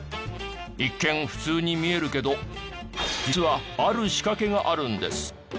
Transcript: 一見普通に見えるけど実はある仕掛けがあるんです。